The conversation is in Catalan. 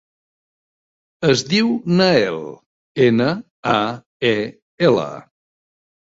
Es diu Nael: ena, a, e, ela.